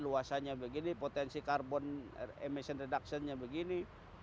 luasannya begini potensi karbon emission reductionnya begini